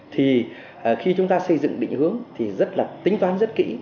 thì khi chúng ta xây dựng định hướng thì rất là tính toán rất kỹ